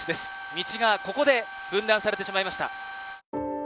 道がここで分断されてしまいました。